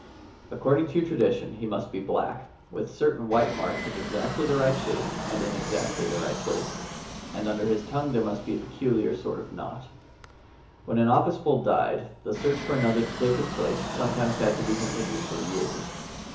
Accord ing to tradition, he must be black, with certain white marks of exactly the right shape and in exactly the right places; and under his tongue there must be a peculiar sort of knot. When an Apis bull died, the search for another to take his place sometimes had to be continued for years.